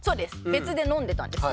別で飲んでたんです。